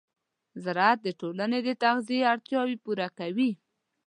زراعت د ټولنې د تغذیې اړتیاوې پوره کوي.